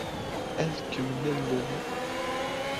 Ad ken-nalel.